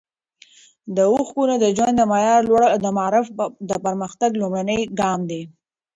د ښوونکو د ژوند د معیار لوړول د معارف د پرمختګ لومړنی ګام دی.